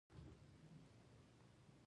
که ګاونډي ته اړتیا وي، ته یې وسه